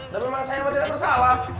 dan memang saya emang tidak bersalah